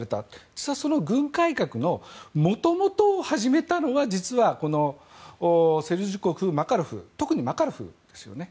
実は軍改革のもともとを始めたのは実は、セルジュコフ、マカロフ特にマカロフですよね。